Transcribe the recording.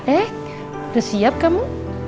eh udah siap kamu